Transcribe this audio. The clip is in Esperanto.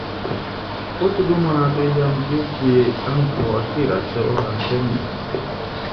Post du monatoj jam tiu ĉi ankaŭ akiras oran premion.